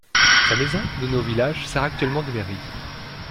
Sa maison, donnée au village, sert actuellement de mairie.